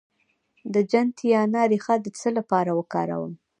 د جنتیانا ریښه د څه لپاره وکاروم؟